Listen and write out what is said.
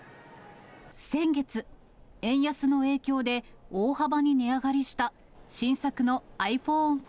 先月、円安の影響で大幅に値上がりした新作のｉＰｈｏｎｅ１４。